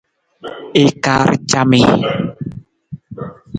I kaar camii.